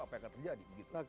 apa yang akan terjadi